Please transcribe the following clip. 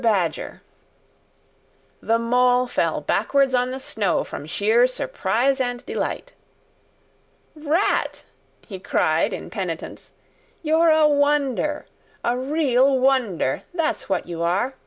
BADGER. The Mole fell backwards on the snow from sheer surprise and delight. "Rat!" he cried in penitence, "you're a wonder! A real wonder, that's what you are.